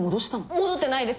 戻ってないです！